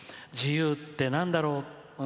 自由ってなんだろう。